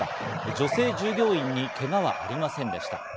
女性従業員にけがはありませんでした。